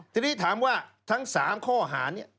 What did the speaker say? ทีนี้ถามว่าทั้ง๓ข้อหานี้